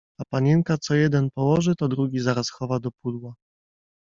A panienka co jeden położy, to drugi zaraz chowa do pudła.